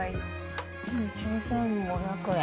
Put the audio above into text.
２，５００円。